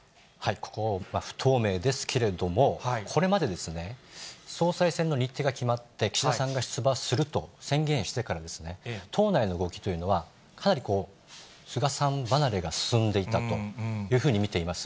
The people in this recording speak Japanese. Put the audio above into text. ここ、不透明ですけれども、これまで総裁選の日程が決まって、岸田さんが出馬すると宣言してからですね、党内の動きというのは、かなり菅さん離れが進んでいたというふうに見ています。